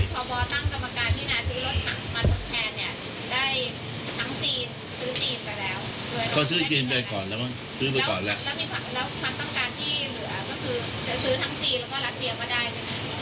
ก็คือจะซื้อทั้งจีนแล้วก็รัสเซียมาได้ใช่ไหม